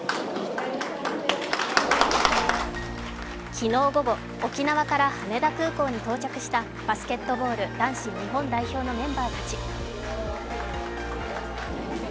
昨日午後、沖縄から羽田空港に到着したバスケットボール男子日本代表のメンバーたち。